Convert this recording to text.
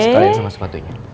sekalian sama sepatunya